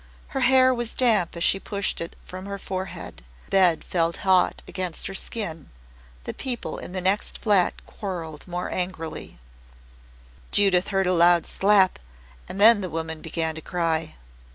Her hair was damp as she pushed it from her forehead, the bed felt hot against her skin, the people in the next flat quarreled more angrily, Judith heard a loud slap, and then the woman began to cry.